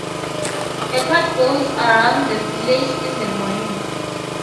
A cart goes around the village in the morning.